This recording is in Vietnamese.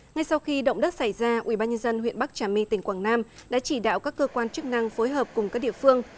ngay sau khi động đất xảy ra ubnd huyện bắc trà my tỉnh quảng nam đã chỉ đạo các cơ quan chức năng phối hợp cùng các địa phương